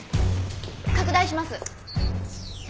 拡大します。